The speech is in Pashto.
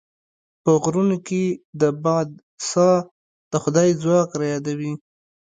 په غرونو کې د باد ساه د خدای ځواک رايادوي.